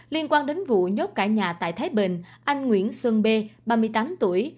liên quan đến vụ nhốt cả nhà tại thái bình anh nguyễn sơn bê ba mươi tám tuổi